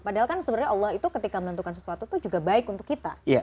padahal kan sebenarnya allah itu ketika menentukan sesuatu itu juga baik untuk kita